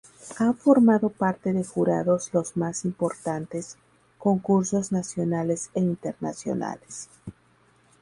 Ha formado parte de jurados los más importantes concursos nacionales e internacionales.